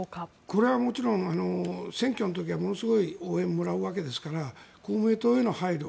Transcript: これはもちろん選挙の時はものすごい応援をもらうわけですから公明党への配慮